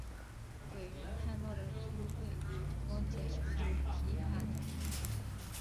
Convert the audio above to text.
伟人汉诺的军队成功解除由提卡的封锁。